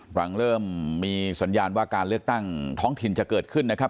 หลังเริ่มมีสัญญาณว่าการเลือกตั้งท้องถิ่นจะเกิดขึ้นนะครับ